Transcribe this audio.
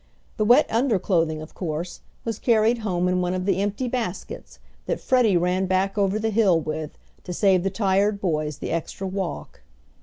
The wet under clothing, of course, was carried home in one of the empty baskets that Freddie ran back over the hill with to save the tired boys the extra walk.